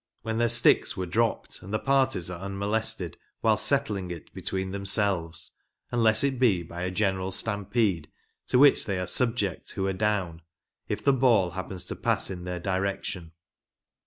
‚ÄĒ when their sticks were dropped and the parties are un molested while settling it between themselves, unless it be by a general stampede to which they are THE ORIGINAL GAME. 25 subject who are down, if the ball happens to pass in their direction."